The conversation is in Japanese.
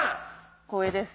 光栄です。